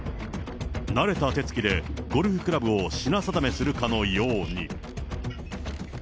慣れた手つきで、ゴルフクラブを品定めするかのように。